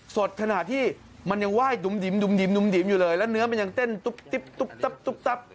สดขนาดที่มันยังไหว้ดุมดิมอยู่เลยแล้วเนื้อมันยังเต้นตุ๊บ